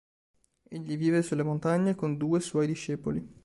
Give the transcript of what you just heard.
Egli vive sulle montagne con due suoi discepoli.